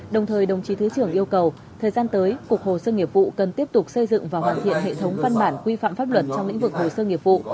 đồng thời đồng chí thứ trưởng yêu cầu thời gian tới cục hồ sơ nghiệp vụ cần tiếp tục xây dựng và hoàn thiện hệ thống văn bản quy phạm pháp luật trong lĩnh vực hồ sơ nghiệp vụ